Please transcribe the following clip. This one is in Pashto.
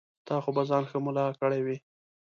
تا خو به ځان ښه ملا کړی وي.